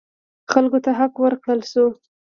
خلکو ته حق ورکړل شو.